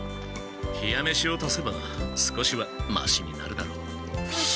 冷や飯を足せば少しはマシになるだろう。